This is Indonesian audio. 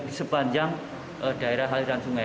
di sepanjang daerah aliran sungai